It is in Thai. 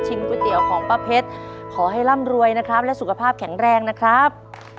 ก๋วยเตี๋ยวของป้าเพชรขอให้ร่ำรวยนะครับและสุขภาพแข็งแรงนะครับ